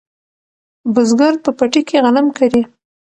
بزګر په پټي کې غنم کري.